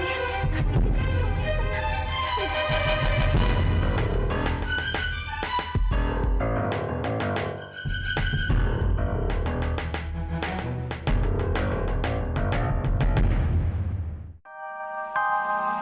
kamu istirahat ya sayang